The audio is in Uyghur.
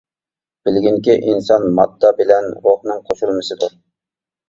بىلگىنكى ئىنسان ماددا بىلەن روھنىڭ قوشۇلمىسىدۇر.